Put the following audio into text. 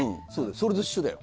それと一緒だよ